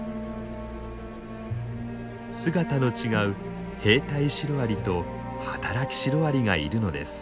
姿の違う兵隊シロアリと働きシロアリがいるのです。